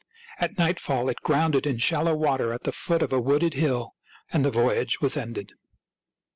At night fall it grounded in shallow water at the foot of a wooded hill ; and the voyage was ended.